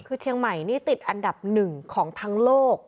คือเชียงใหม่นี่ติดอันดับหนึ่งของทั้งโลก